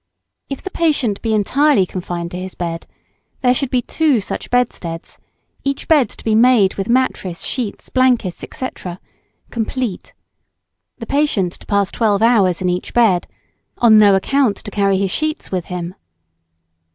If the patient be entirely confined to his bed, there should be two such bedsteads; each bed to be "made" with mattress, sheets, blankets, &c., complete the patient to pass twelve hours in each bed; on no account to carry his sheets with him.